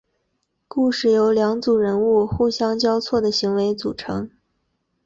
故事由两组人物互相交错的行为组成。